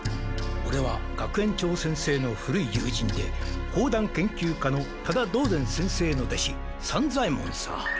オレは学園長先生の古い友人で砲弾研究家の多田堂禅先生の弟子山左ヱ門さ。